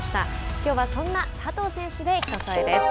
きょうは、そんな佐藤選手で「ひとそえ」です。